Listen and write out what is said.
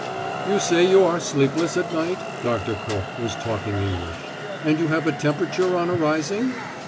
"You say you are sleepless at night?" Doctor Koch was talking English. "And you have a temperature on arising?